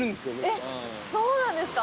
えっ、そうなんですか？